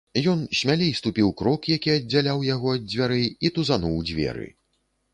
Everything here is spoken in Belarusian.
Ён смялей ступіў крок, які аддзяляў яго ад дзвярэй, і тузануў дзверы.